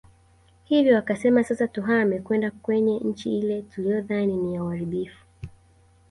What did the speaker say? Hivyo wakasema sasa tuhame kwenda kwenye nchi ile tuliyodhani ni ya uharibifu